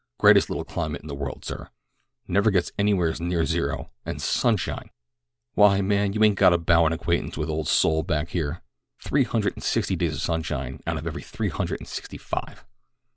Greatest little climate in the world, sir; never gets anywheres near zero; and sunshine! Why, man, you ain't got a bowin' acquaintance with old Sol back here. Three hundred and sixty days of sunshine out of every three hundred and sixty five."